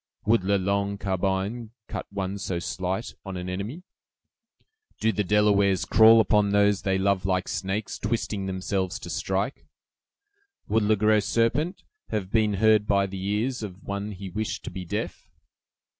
"Would 'La Longue Carbine' cut one so slight on an enemy?" "Do the Delawares crawl upon those they love like snakes, twisting themselves to strike?" "Would 'Le Gros Serpent' have been heard by the ears of one he wished to be deaf?"